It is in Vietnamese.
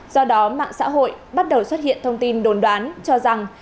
do đó mạng xã hội bắt đầu xuất hiện thông tin đồn đoán cho rằng